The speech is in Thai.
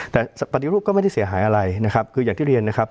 แต่ปฏิรูปก็ไม่ได้เสียหายอะไรนะครับคืออย่างที่เรียนนะครับ